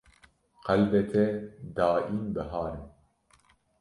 Qelbê te daîm bihar e